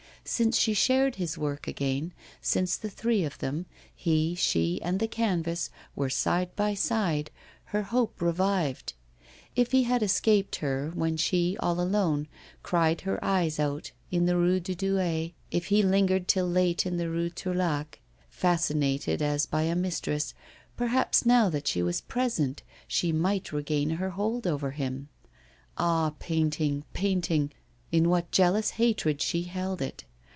Since she shared his work again, since the three of them, he, she, and the canvas, were side by side, her hope revived. If he had escaped her when she, all alone, cried her eyes out in the Rue de Douai, if he lingered till late in the Rue Tourlaque, fascinated as by a mistress, perhaps now that she was present she might regain her hold over him. Ah, painting, painting! in what jealous hatred she held it!